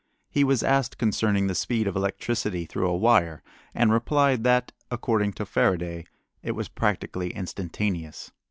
He was asked concerning the speed of electricity through a wire, and replied that, according to Faraday, it was practically instantaneous.